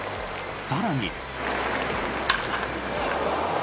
更に。